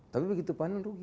tapi begitu panen rugi